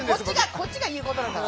こっちが言うことなんだから。